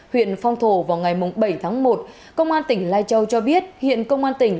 huyện phong thổ vào ngày bảy tháng một công an tỉnh lai châu cho biết hiện công an tỉnh